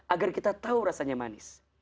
agar kita tahu rasanya manis